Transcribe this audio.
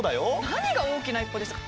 何が大きな一歩ですか。